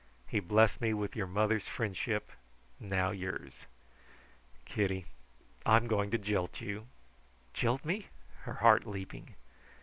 He blessed me with your mother's friendship, now yours. Kitty, I'm going to jilt you." "Jilt me?" her heart leaping.